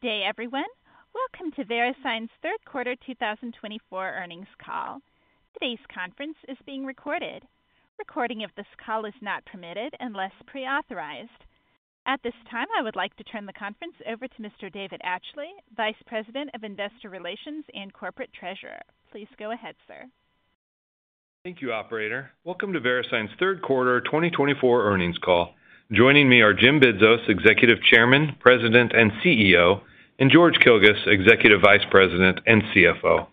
Good day, everyone. Welcome to Verisign's third quarter 2024 earnings call. Today's conference is being recorded. Recording of this call is not permitted unless pre-authorized. At this time, I would like to turn the conference over to Mr. David Atchley, Vice President of Investor Relations and Corporate Treasurer. Please go ahead, sir. Thank you, operator. Welcome to Verisign's third quarter twenty twenty-four earnings call. Joining me are Jim Bidzos, Executive Chairman, President, and CEO, and George Kilguss, Executive Vice President and CFO.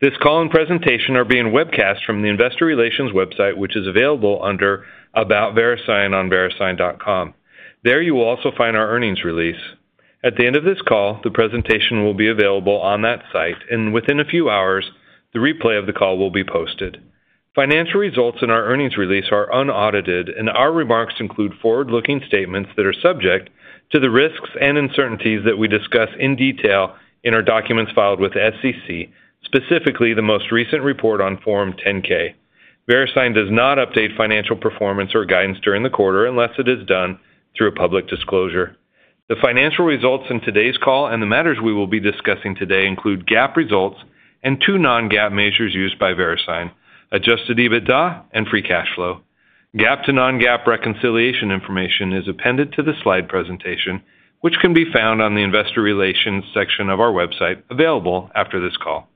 This call and presentation are being webcast from the Investor Relations website, which is available under About Verisign on Verisign.com. There you will also find our earnings release. At the end of this call, the presentation will be available on that site, and within a few hours, the replay of the call will be posted. Financial results in our earnings release are unaudited, and our remarks include forward-looking statements that are subject to the risks and uncertainties that we discuss in detail in our documents filed with the SEC, specifically the most recent report on Form 10-K. Verisign does not update financial performance or guidance during the quarter unless it is done through a public disclosure. The financial results in today's call and the matters we will be discussing today include GAAP results and two non-GAAP measures used by Verisign, Adjusted EBITDA and Free Cash Flow. GAAP to non-GAAP reconciliation information is appended to the slide presentation, which can be found on the Investor Relations section of our website, available after this call.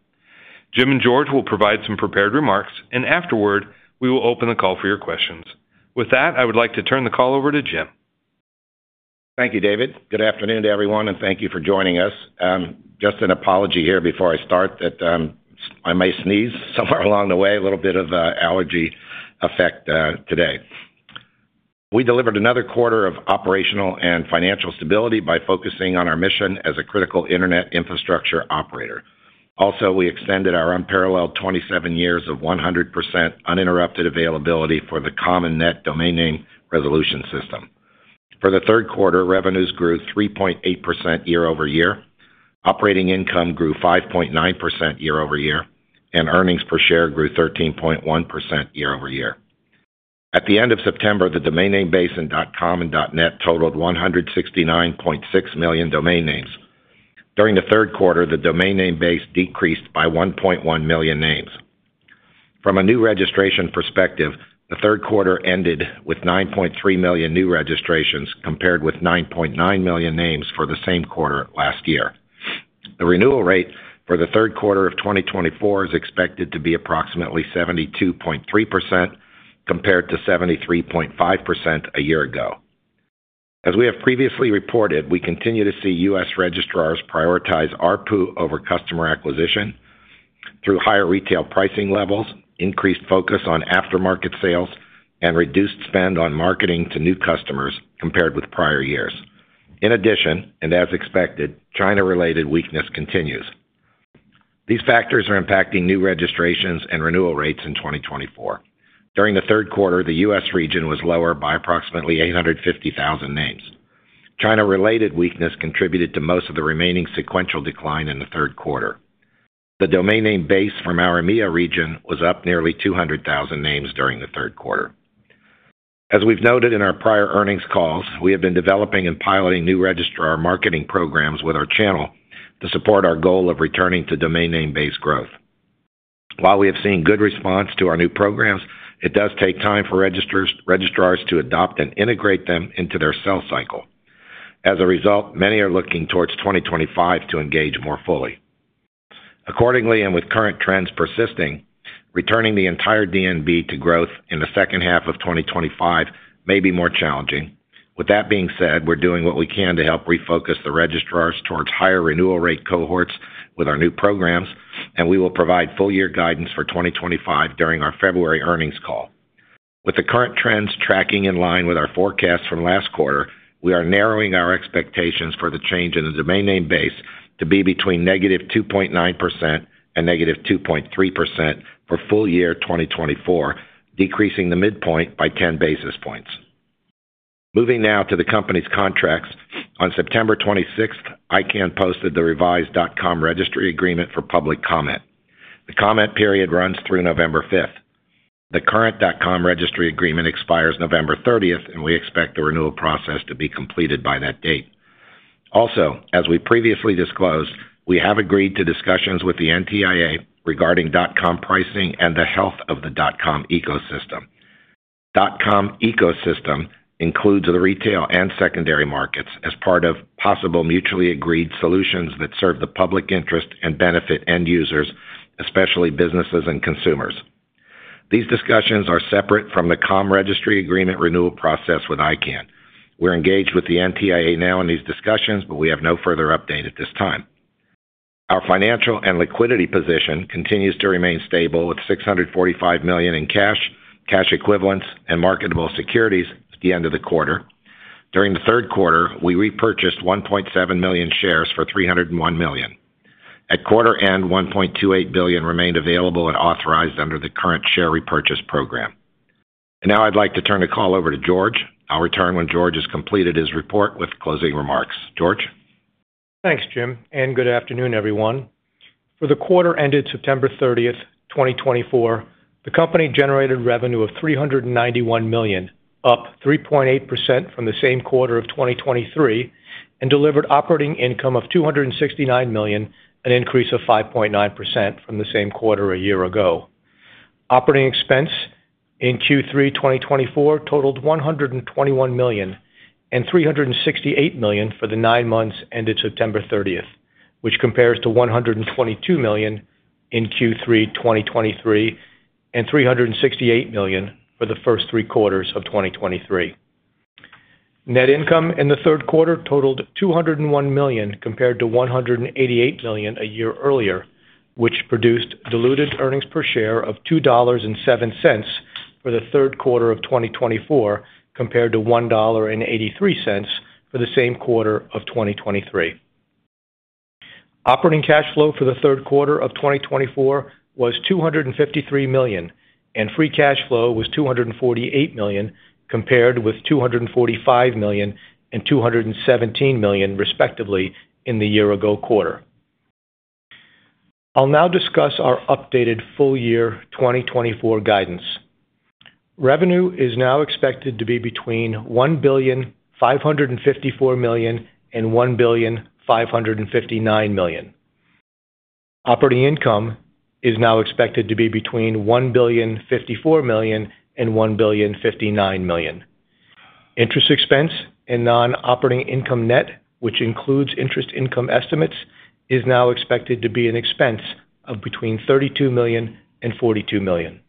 Jim and George will provide some prepared remarks, and afterward, we will open the call for your questions. With that, I would like to turn the call over to Jim. Thank you, David. Good afternoon to everyone, and thank you for joining us. Just an apology here before I start that I may sneeze somewhere along the way. A little bit of allergy effect today. We delivered another quarter of operational and financial stability by focusing on our mission as a critical internet infrastructure operator. Also, we extended our unparalleled twenty-seven years of 100% uninterrupted availability for the Com and Net domain name resolution system. For the third quarter, revenues grew 3.8% year-over-year, operating income grew 5.9% year-over-year, and earnings per share grew 13.1% year-over-year. At the end of September, the Domain Name Base in .com and .net totaled 169.6 million domain names. During the third quarter, the domain name base decreased by 1.1 million names. From a new registration perspective, the third quarter ended with 9.3 million new registrations, compared with 9.9 million names for the same quarter last year. The renewal rate for the third quarter of 2024 is expected to be approximately 72.3%, compared to 73.5% a year ago. As we have previously reported, we continue to see U.S. registrars prioritize ARPU over customer acquisition through higher retail pricing levels, increased focus on aftermarket sales, and reduced spend on marketing to new customers compared with prior years. In addition, and as expected, China-related weakness continues. These factors are impacting new registrations and renewal rates in 2024. During the third quarter, the U.S. region was lower by approximately 850,000 names. China-related weakness contributed to most of the remaining sequential decline in the third quarter. The domain name base from our EMEA region was up nearly two hundred thousand names during the third quarter. As we've noted in our prior earnings calls, we have been developing and piloting new registrar marketing programs with our channel to support our goal of returning to domain name base growth. While we have seen good response to our new programs, it does take time for registrars to adopt and integrate them into their sales cycle. As a result, many are looking towards twenty twenty-five to engage more fully. Accordingly, and with current trends persisting, returning the entire DNB to growth in the second half of twenty twenty-five may be more challenging. With that being said, we're doing what we can to help refocus the registrars towards higher renewal rate cohorts with our new programs, and we will provide full year guidance for 2025 during our February earnings call. With the current trends tracking in line with our forecast from last quarter, we are narrowing our expectations for the change in the domain name base to be between -2.9% and -2.3% for full year 2024, decreasing the midpoint by 10 basis points. Moving now to the company's contracts. On September 26th, ICANN posted the revised .com registry agreement for public comment. The comment period runs through November 5th. The current .com registry agreement expires November 30th, and we expect the renewal process to be completed by that date. Also, as we previously disclosed, we have agreed to discussions with the NTIA regarding .com pricing and the health of the .com ecosystem. The .com ecosystem includes the retail and secondary markets as part of possible mutually agreed solutions that serve the public interest and benefit end users, especially businesses and consumers. These discussions are separate from the .com registry agreement renewal process with ICANN. We're engaged with the NTIA now in these discussions, but we have no further update at this time. Our financial and liquidity position continues to remain stable, with $645 million in cash, cash equivalents, and marketable securities at the end of the quarter. During the third quarter, we repurchased 1.7 million shares for $301 million. At quarter end, $1.28 billion remained available and authorized under the current share repurchase program. Now I'd like to turn the call over to George. I'll return when George has completed his report with closing remarks. George? Thanks, Jim, and good afternoon, everyone. For the quarter ended September thirtieth, 2024, the company generated revenue of $391 million, up 3.8% from the same quarter of 2023, and delivered operating income of $269 million, an increase of 5.9% from the same quarter a year ago. Operating expense in Q3 2024 totaled $121 million and $368 million for the nine months ended September thirtieth, which compares to $122 million in Q3 2023 and $368 million for the first three quarters of 2023. Net income in the third quarter totaled $201 million, compared to $188 million a year earlier, which produced diluted earnings per share of $2.07 for the third quarter of 2024, compared to $1.83 for the same quarter of 2023. Operating cash flow for the third quarter of 2024 was $253 million, and free cash flow was $248 million, compared with $245 million and $217 million, respectively, in the year-ago quarter. I'll now discuss our updated full year 2024 guidance. Revenue is now expected to be between $1.554 billion and $1.559 billion. Operating income is now expected to be between $1.054 billion and $1.059 billion. Interest expense and non-operating income net, which includes interest income estimates, is now expected to be an expense of between $32 million and $42 million.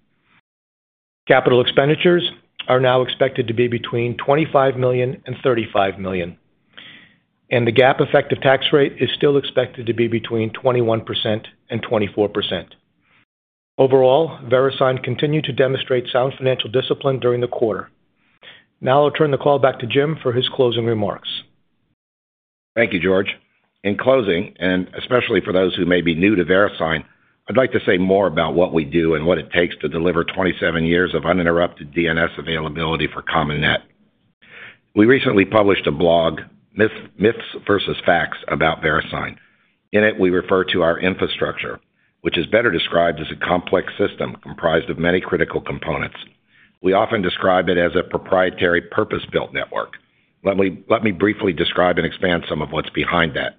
Capital expenditures are now expected to be between $25 million and $35 million, and the GAAP effective tax rate is still expected to be between 21% and 24%. Overall, Verisign continued to demonstrate sound financial discipline during the quarter. Now I'll turn the call back to Jim for his closing remarks. Thank you, George. In closing, and especially for those who may be new to Verisign, I'd like to say more about what we do and what it takes to deliver twenty-seven years of uninterrupted DNS availability for Com and Net. We recently published a blog, Myths versus Facts about Verisign. In it, we refer to our infrastructure, which is better described as a complex system comprised of many critical components. We often describe it as a proprietary, purpose-built network. Let me briefly describe and expand some of what's behind that.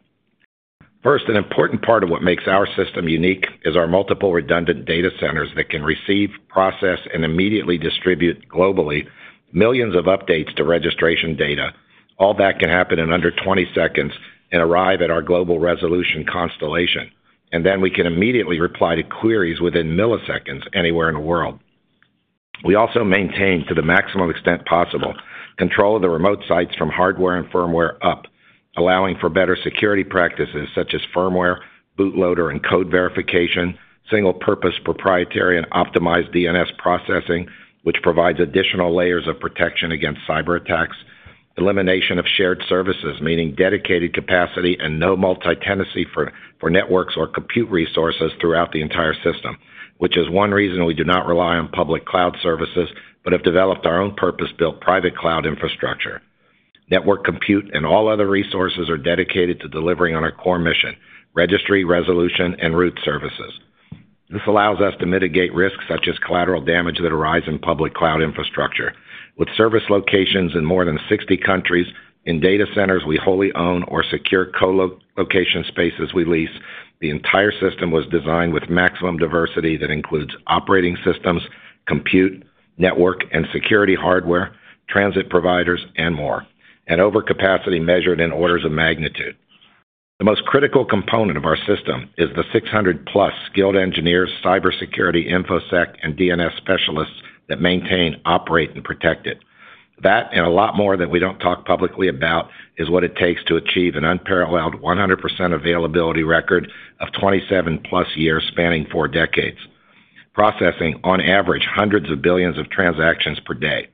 First, an important part of what makes our system unique is our multiple redundant data centers that can receive, process, and immediately distribute globally millions of updates to registration data. All that can happen in under twenty seconds and arrive at our global Resolution Constellation, and then we can immediately reply to queries within milliseconds anywhere in the world. We also maintain, to the maximum extent possible, control of the remote sites from hardware and firmware up, allowing for better security practices such as firmware, bootloader, and code verification, single purpose, proprietary and optimized DNS processing, which provides additional layers of protection against cyber attacks, elimination of shared services, meaning dedicated capacity and no multi-tenancy for networks or compute resources throughout the entire system, which is one reason we do not rely on public cloud services but have developed our own purpose-built private cloud infrastructure. Network compute and all other resources are dedicated to delivering on our core mission: registry, resolution, and root services. This allows us to mitigate risks such as collateral damage that arise in public cloud infrastructure. With service locations in more than 60 countries in data centers we wholly own or secure co-location spaces we lease, the entire system was designed with maximum diversity that includes operating systems, compute, network and security, hardware, transit providers, and more, and over capacity measured in orders of magnitude. The most critical component of our system is the 600+ skilled engineers, cybersecurity, infosec, and DNS specialists that maintain, operate, and protect it. That, and a lot more that we don't talk publicly about, is what it takes to achieve an unparalleled 100% availability record of 27+ years, spanning four decades, processing, on average, hundreds of billions of transactions per day.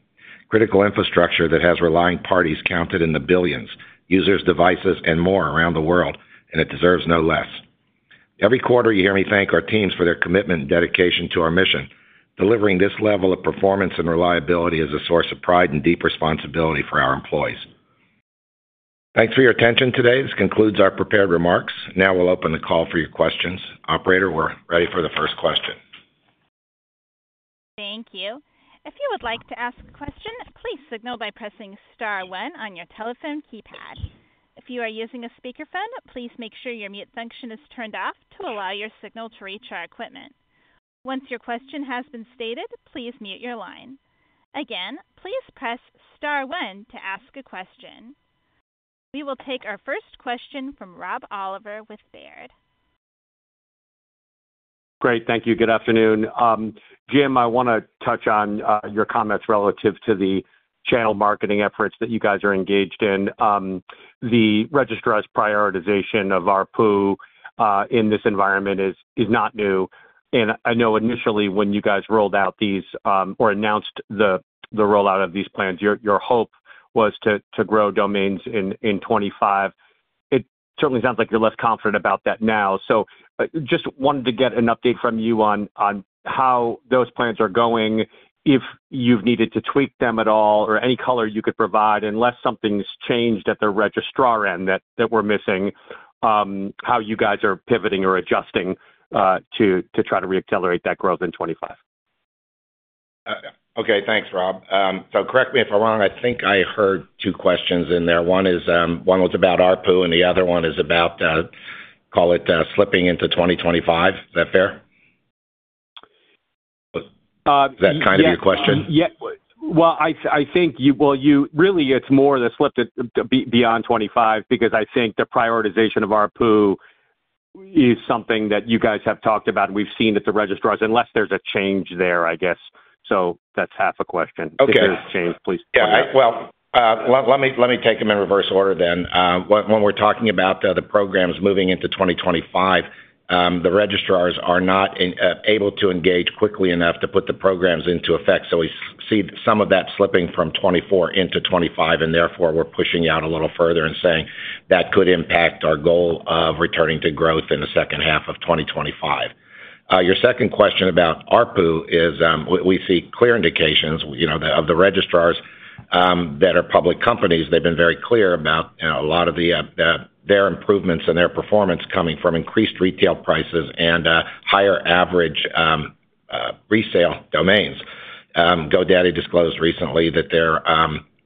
Critical infrastructure that has relying parties counted in the billions, users, devices, and more around the world, and it deserves no less. Every quarter you hear me thank our teams for their commitment and dedication to our mission. Delivering this level of performance and reliability is a source of pride and deep responsibility for our employees. Thanks for your attention today. This concludes our prepared remarks. Now we'll open the call for your questions. Operator, we're ready for the first question. Thank you. If you would like to ask a question, please signal by pressing star one on your telephone keypad. If you are using a speakerphone, please make sure your mute function is turned off to allow your signal to reach our equipment. Once your question has been stated, please mute your line. Again, please press star one to ask a question. We will take our first question from Rob Oliver with Baird. Great. Thank you. Good afternoon. Jim, I want to touch on your comments relative to the channel marketing efforts that you guys are engaged in. The registrar's prioritization of ARPU in this environment is not new. And I know initially when you guys rolled out these or announced the rollout of these plans, your hope was to grow domains in 2025. It certainly sounds like you're less confident about that now. So just wanted to get an update from you on how those plans are going, if you've needed to tweak them at all, or any color you could provide, unless something's changed at the registrar end that we're missing, how you guys are pivoting or adjusting to try to reaccelerate that growth in 2025. Okay, thanks, Rob. So correct me if I'm wrong, I think I heard two questions in there. One is, one was about ARPU, and the other one is about, call it, slipping into twenty twenty-five. Is that fair? Is that kind of your question? Yes. Well, I think you really, it's more the slip that beyond 2025, because I think the prioritization of ARPU is something that you guys have talked about, and we've seen at the registrars, unless there's a change there, I guess. So that's half a question. Okay. If there's a change, please. Yeah, well, let me take them in reverse order then. When we're talking about the programs moving into twenty twenty-five, the registrars are not able to engage quickly enough to put the programs into effect, so we see some of that slipping from twenty-four into twenty-five, and therefore, we're pushing out a little further and saying that could impact our goal of returning to growth in the second half of twenty twenty-five. Your second question about ARPU is, we see clear indications, you know, of the registrars that are public companies. They've been very clear about, you know, a lot of their improvements and their performance coming from increased retail prices and higher average resale domains. GoDaddy disclosed recently that their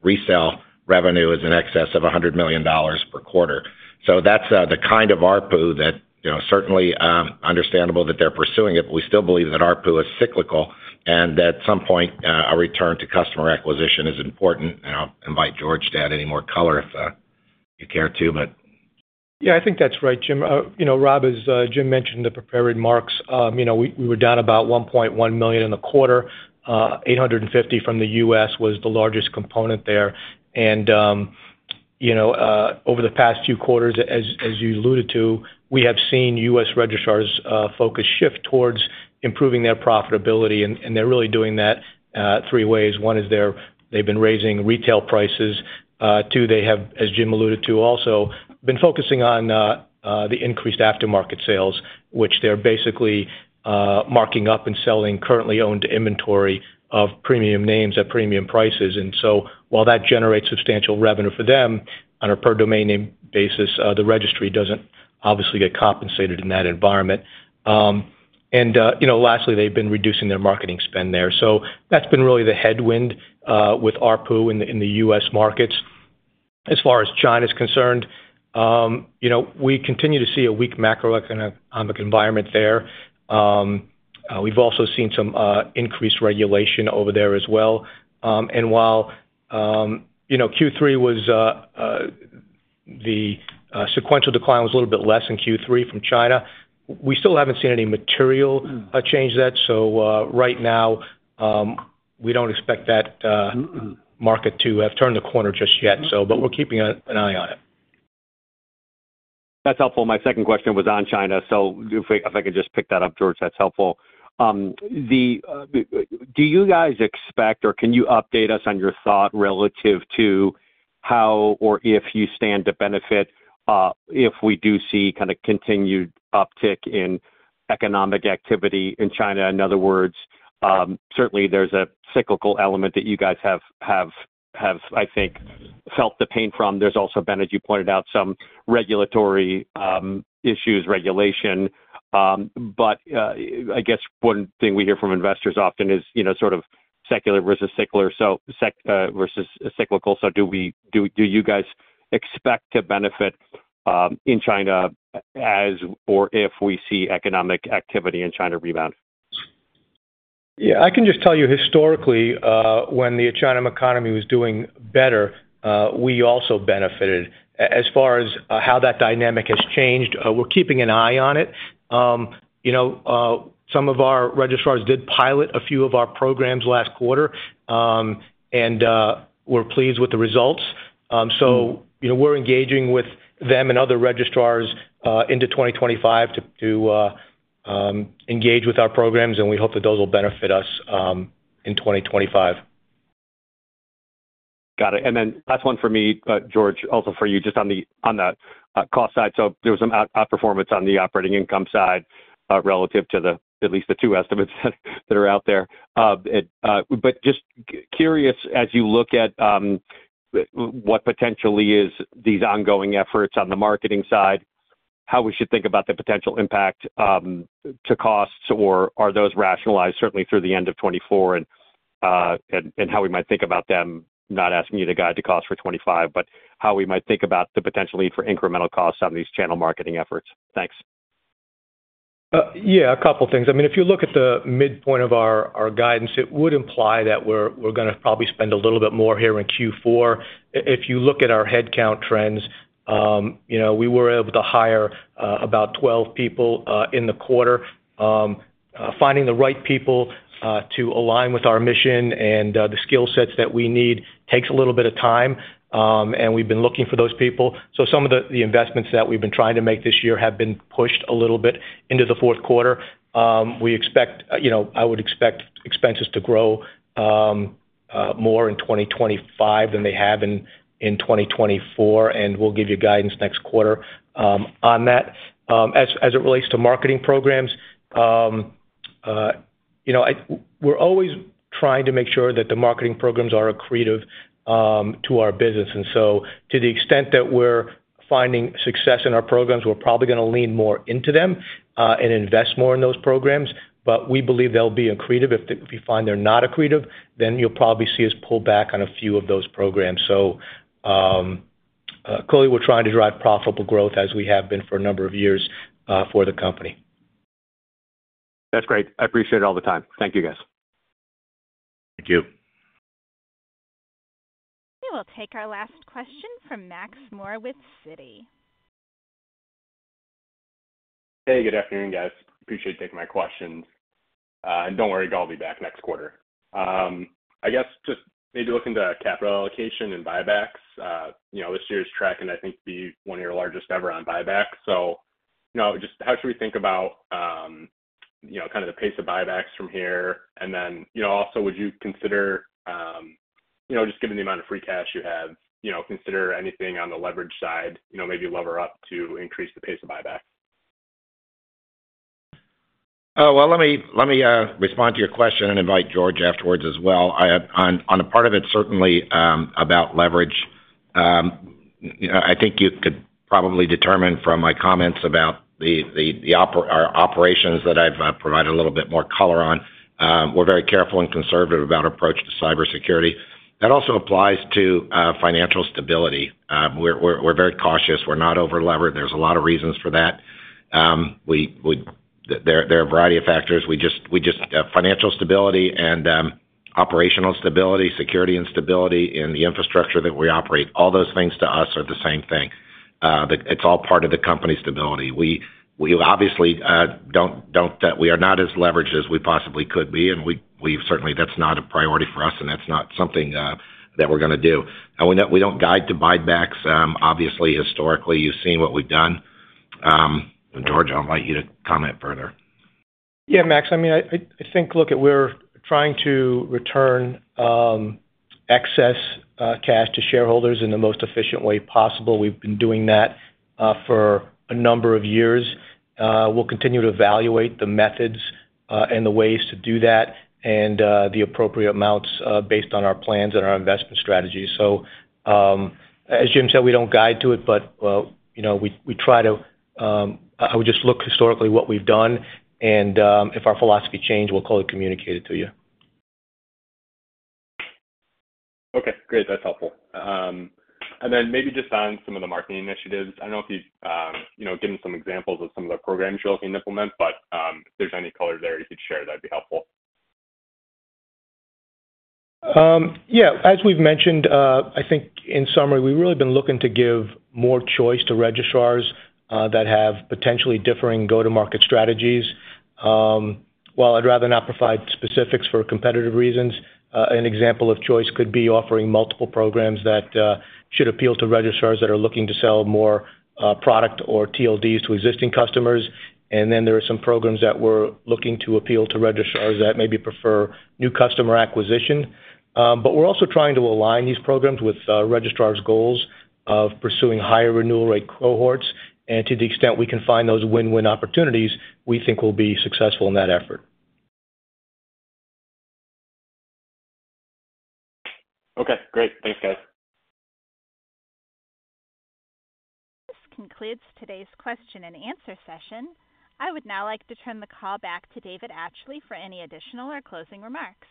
resale revenue is in excess of $100 million per quarter. So that's the kind of ARPU that, you know, certainly understandable that they're pursuing it, but we still believe that ARPU is cyclical and that at some point a return to customer acquisition is important. And I'll invite George to add any more color if you care to, but. Yeah, I think that's right, Jim. You know, Rob, as Jim mentioned, the prepared remarks, you know, we were down about 1.1 million in the quarter. 850 from the U.S. was the largest component there, and you know, over the past few quarters, as you alluded to, we have seen U.S. registrars focus shift towards improving their profitability, and they're really doing that three ways. One is they've been raising retail prices. Two, they have, as Jim alluded to, also been focusing on the increased aftermarket sales, which they're basically marking up and selling currently owned inventory of premium names at premium prices. And so while that generates substantial revenue for them on a per domain name basis, the registry doesn't obviously get compensated in that environment. You know, lastly, they've been reducing their marketing spend there. So that's been really the headwind with ARPU in the U.S. markets. As far as China's concerned, you know, we continue to see a weak macroeconomic environment there. We've also seen some increased regulation over there as well. And while, you know, the sequential decline was a little bit less in Q3 from China, we still haven't seen any material change that. So, right now, we don't expect that market to have turned the corner just yet, so, but we're keeping an eye on it. That's helpful. My second question was on China, so if I could just pick that up, George, that's helpful. Do you guys expect, or can you update us on your thought relative to how or if you stand to benefit, if we do see kind of continued uptick in economic activity in China? In other words, certainly there's a cyclical element that you guys have, I think, felt the pain from. There's also been, as you pointed out, some regulatory issues, regulation. But, I guess one thing we hear from investors often is, you know, sort of secular versus cyclical. So do you guys expect to benefit in China as or if we see economic activity in China rebound? Yeah, I can just tell you historically, when the China economy was doing better, we also benefited. As far as how that dynamic has changed, we're keeping an eye on it. You know, some of our registrars did pilot a few of our programs last quarter, and we're pleased with the results. So, you know, we're engaging with them and other registrars into 2025 to engage with our programs, and we hope that those will benefit us in 2025. Got it. And then last one for me, George, also for you, just on the cost side. So there was some outperformance on the operating income side, relative to at least the two estimates that are out there. But just curious, as you look at what potentially is these ongoing efforts on the marketing side, how we should think about the potential impact to costs, or are those rationalized certainly through the end of 2024, and how we might think about them, not asking you to guide to cost for 2025, but how we might think about the potentially for incremental costs on these channel marketing efforts? Thanks. Yeah, a couple things. I mean, if you look at the midpoint of our guidance, it would imply that we're gonna probably spend a little bit more here in Q4. If you look at our headcount trends, you know, we were able to hire about 12 people in the quarter. Finding the right people to align with our mission and the skill sets that we need takes a little bit of time, and we've been looking for those people. So some of the investments that we've been trying to make this year have been pushed a little bit into the fourth quarter. We expect, you know, I would expect expenses to grow more in 2025 than they have in 2024, and we'll give you guidance next quarter on that. As it relates to marketing programs, you know, we're always trying to make sure that the marketing programs are accretive to our business, and so to the extent that we're finding success in our programs, we're probably gonna lean more into them and invest more in those programs, but we believe they'll be accretive. If we find they're not accretive, then you'll probably see us pull back on a few of those programs. Clearly, we're trying to drive profitable growth as we have been for a number of years for the company. That's great. I appreciate all the time. Thank you, guys. Thank you. We will take our last question from Max Moore with Citi. Hey, good afternoon, guys. Appreciate you taking my questions. And don't worry, I'll be back next quarter. I guess just maybe looking to capital allocation and buybacks, you know, this year's tracking, I think, be one of your largest ever on buybacks. So, you know, just how should we think about, you know, kind of the pace of buybacks from here? And then, you know, also, would you consider, you know, just given the amount of free cash you have, you know, consider anything on the leverage side, you know, maybe lever up to increase the pace of buyback? Oh, well, let me respond to your question and invite George afterwards as well. I, on a part of it, certainly, about leverage. You know, I think you could probably determine from my comments about our operations that I've provided a little bit more color on. We're very careful and conservative about our approach to cybersecurity. That also applies to financial stability. We're very cautious. We're not overleveraged. There's a lot of reasons for that. There are a variety of factors. We just financial stability and operational stability, security and stability in the infrastructure that we operate, all those things to us are the same thing. It's all part of the company's stability. We obviously don't. We are not as leveraged as we possibly could be, and we've certainly. That's not a priority for us, and that's not something that we're gonna do, and we know we don't guide to buybacks. Obviously, historically, you've seen what we've done, and George, I'll invite you to comment further. Yeah, Max. I mean, I think, look, we're trying to return excess cash to shareholders in the most efficient way possible. We've been doing that for a number of years. We'll continue to evaluate the methods and the ways to do that, and the appropriate amounts based on our plans and our investment strategy. So, as Jim said, we don't guide to it, but, well, you know, we try to, I would just look historically what we've done, and if our philosophy change, we'll clearly communicate it to you. Okay, great. That's helpful. And then maybe just on some of the marketing initiatives. I don't know if you've, you know, given some examples of some of the programs you're looking to implement, but if there's any color there you could share, that'd be helpful. Yeah, as we've mentioned, I think in summary, we've really been looking to give more choice to registrars that have potentially differing go-to-market strategies. While I'd rather not provide specifics for competitive reasons, an example of choice could be offering multiple programs that should appeal to registrars that are looking to sell more product or TLDs to existing customers. And then, there are some programs that we're looking to appeal to registrars that maybe prefer new customer acquisition. But we're also trying to align these programs with registrars' goals of pursuing higher renewal rate cohorts, and to the extent we can find those win-win opportunities, we think we'll be successful in that effort. Okay, great. Thanks, guys. This concludes today's question and answer session. I would now like to turn the call back to David Atchley for any additional or closing remarks.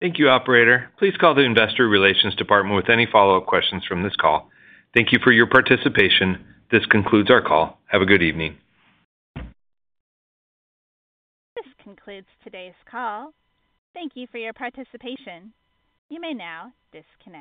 Thank you, operator. Please call the investor relations department with any follow-up questions from this call. Thank you for your participation. This concludes our call. Have a good evening. This concludes today's call. Thank you for your participation. You may now disconnect.